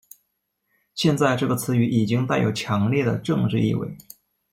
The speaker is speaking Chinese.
现在这个词语已经带有强烈的政治意味。